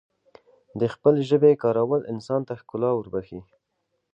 دخپلې ژبې کارول انسان ته ښکلا وربښی